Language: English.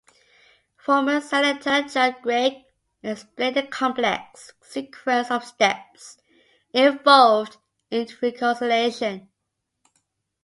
Former Senator Judd Gregg explained the complex sequence of steps involved in reconciliation.